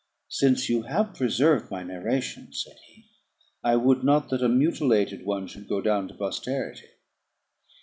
"Since you have preserved my narration," said he, "I would not that a mutilated one should go down to posterity."